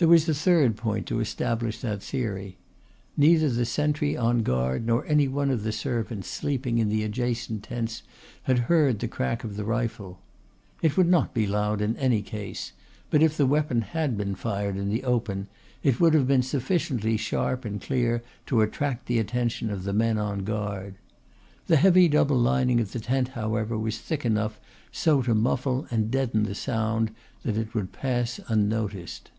There was the third point to establish that theory. Neither the sentry on guard nor any one of the servants sleeping in the adjacent tents had heard the crack of the rifle. It would not be loud in any case, but if the weapon had been fired in the open it would have been sufficiently sharp and clear to attract the attention of the men on guard. The heavy double lining of the tent however was thick enough so to muffle and deaden the sound that it would pass unnoticed.